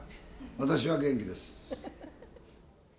私は元気です。